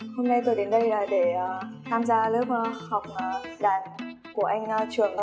hôm nay tôi đến đây là để tham gia lớp học đàn của anh trưởng